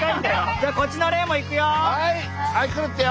じゃあこっちのレーンもいくよ。